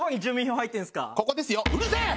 ここですようるせえ！